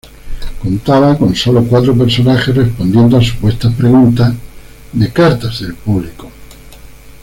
Contaba con sólo cuatro personajes respondiendo a supuestas preguntas de cartas del público.